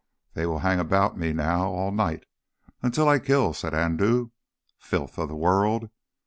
"They will hang about me now all the night ... until I kill," said Andoo. "Filth of the world!"